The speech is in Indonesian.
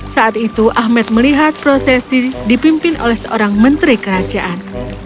saat itu ahmed melihat prosesi dipimpin oleh seorang menteri kerajaan